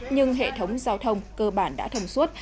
nhưng hệ thống giao thông cơ bản đã thông suốt